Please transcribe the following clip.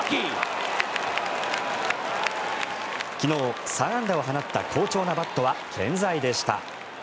昨日、３安打を放った好調なバットは健在でした。